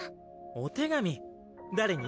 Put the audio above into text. お手紙誰に？